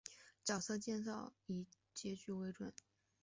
角色介绍以最后结局为准。